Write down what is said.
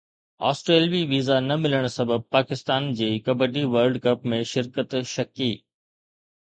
آسٽريلوي ويزا نه ملڻ سبب پاڪستان جي ڪبڊي ورلڊ ڪپ ۾ شرڪت شڪي